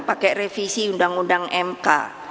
pakai revisi undang undang mk